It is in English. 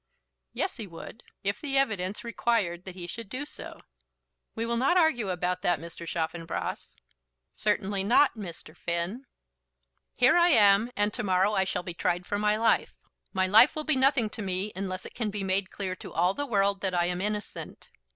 "Yes, he would; if the evidence required that he should do so." "We will not argue about that, Mr. Chaffanbrass." "Certainly not, Mr. Finn." "Here I am, and to morrow I shall be tried for my life. My life will be nothing to me unless it can be made clear to all the world that I am innocent.